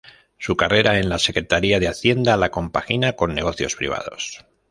Su carrera en la Secretaría de Hacienda la compagina con negocios privados.